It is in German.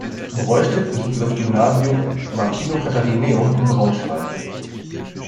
Broistedt besuchte das Gymnasium Martino-Katharineum in Braunschweig.